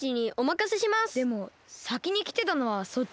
でもさきにきてたのはそっちだし。